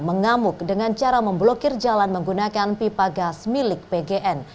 mengamuk dengan cara memblokir jalan menggunakan pipa gas milik pgn